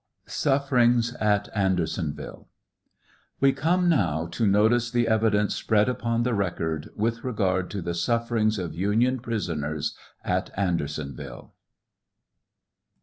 SUFFERIIMCiS AT ANDERSONVILLE. We come now to notice the evidence spread upon the record with regard to the sufferings of Union prisoners at Andersonville.